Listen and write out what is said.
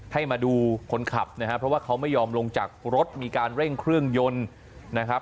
ให้มาดูคนขับนะครับเพราะว่าเขาไม่ยอมลงจากรถมีการเร่งเครื่องยนต์นะครับ